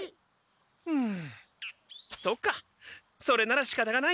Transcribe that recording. ふむそっかそれならしかたがない！